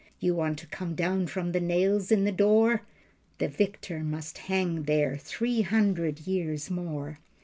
You want to come down from the nails in the door. The victor must hang there three hundred years more.